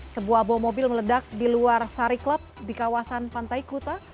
sebuah bom mobil meledak di luar sari club di kawasan pantai kuta